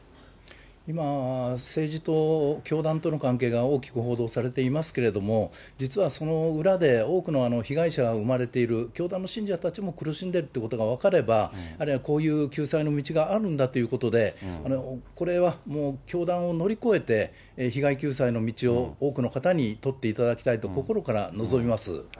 今、政治と教団との関係が大きく報道されていますけれども、実はその裏で、多くの被害者が生まれている、教団の信者たちも苦しんでいるということが分かれば、あるいはこういう救済の道があるんだということで、これはもう教団を乗り越えて、被害救済の道を多くの方に取っていただきたいと、心から望みます。